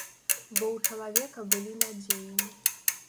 Бо ў чалавека былі надзеі.